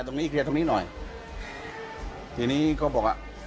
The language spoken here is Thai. ตรงนี้เคลียร์ทำนิดหน่อยทีนี้เขาบอกอ่ะ